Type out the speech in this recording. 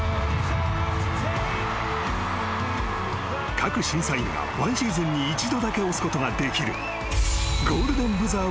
［各審査員がワンシーズンに一度だけ押すことができる］